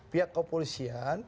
pihak kompolisian lagi memprosesi